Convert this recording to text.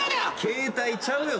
携帯ちゃうよ